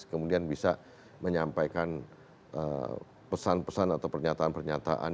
kemudian bisa menyampaikan pesan pesan atau pernyataan pernyataan